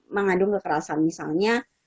mengandung kekerasan misalnya